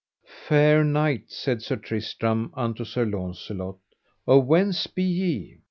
Fair knight, said Sir Tristram unto Sir Launcelot, of whence be ye?